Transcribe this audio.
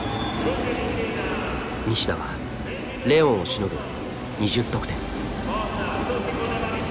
西田はレオンをしのぐ２０得点。